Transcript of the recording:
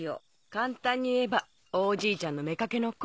簡単に言えば大おじいちゃんの妾の子。